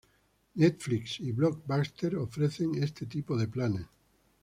Netflix y Blockbuster ofrecen este tipo de planes.